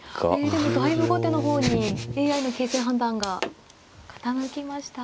でもだいぶ後手の方にＡＩの形勢判断が傾きました。